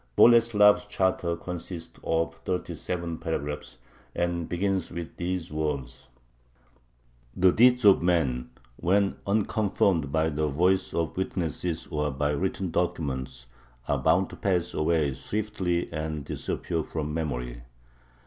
Boleslav's charter consists of thirty seven paragraphs, and begins with these words: The deeds of man, when unconfirmed by the voice of witnesses or by written documents, are bound to pass away swiftly and disappear from memory.